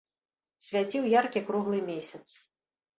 Свяціў яркі круглы месяц.